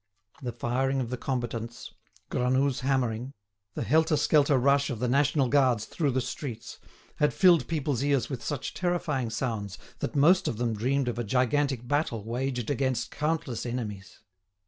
The firing of the combatants, Granoux's hammering, the helter skelter rush of the national guards through the streets, had filled people's ears with such terrifying sounds that most of them dreamed of a gigantic battle waged against countless enemies.